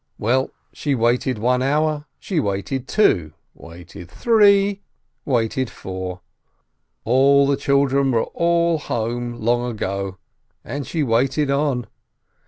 Well, she waited one hour, she waited two, waited three, waited four; the children were all home long ago, and she waited on.